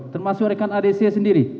termasuk rekan adc sendiri